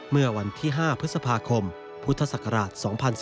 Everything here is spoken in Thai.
เมื่อวันที่๕พฤษภาคมพุทธศักราช๒๔